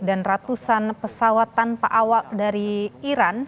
dan ratusan pesawat tanpa awak dari iran